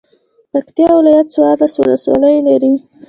پکتيا ولايت څوارلس ولسوالۍ لري.